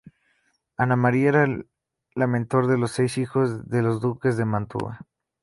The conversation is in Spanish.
Ana María era la menor de los seis hijos de los duques de Mantua.